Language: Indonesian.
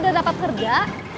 dany udah dapat kerja